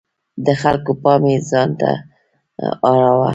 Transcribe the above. د خلکو پام یې ځانته اړاوه.